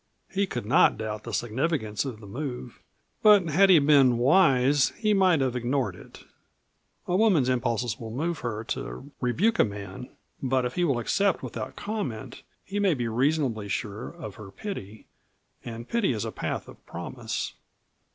He could not doubt the significance of this move, but had he been wise he might have ignored it. A woman's impulses will move her to rebuke a man, but if he will accept without comment he may be reasonably sure of her pity, and pity is a path of promise.